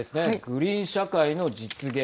グリーン社会の実現。